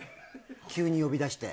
急に呼び出して。